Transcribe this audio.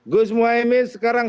gus muhyiddin sekarang